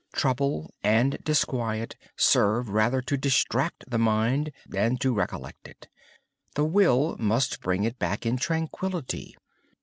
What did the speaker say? Trouble and disquiet serve rather to distract the mind than to re collect it. The will must bring it back in tranquillity.